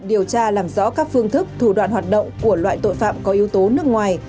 điều tra làm rõ các phương thức thủ đoạn hoạt động của loại tội phạm có yếu tố nước ngoài